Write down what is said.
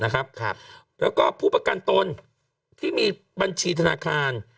แล้วก็ผู้ประกันตนที่มีบัญชีธนาคาร